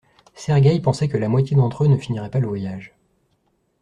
Sergeï pensait que la moitié d’entre eux ne finirait pas le voyage.